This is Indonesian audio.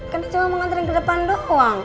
kan dia cuma mau nganterin ke depan doang